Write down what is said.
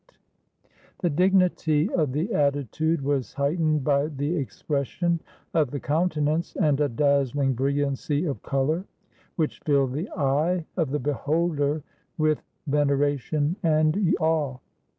The 194 IN THE STUDIO OF APELLES dignity of the attitude was heightened by the expres sion of the countenance and a dazzling brilliancy of color, which filled the eye of the beholder with venera tion and awe.